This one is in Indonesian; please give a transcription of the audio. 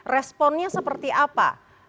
responnya seperti apa